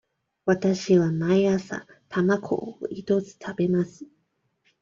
わたしは毎朝卵を一つ食べます。